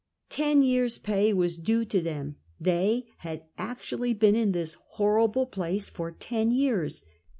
Ten yeai s' jiay Avas due to them. They had actually been in this horrible place for ten years.